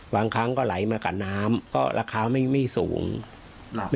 บางครั้งก็ไหลมากับน้ำก็ราคาไม่สูง